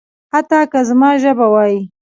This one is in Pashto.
حتی که زما ژبه وايي.